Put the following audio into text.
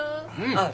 あっ！